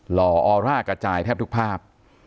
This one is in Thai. ห่อออร่ากระจายแทบทุกภาพ